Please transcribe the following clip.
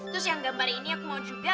terus yang gambar ini aku mau juga